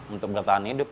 untuk bertahan hidup